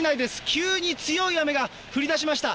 急に強い雨が降りだしました。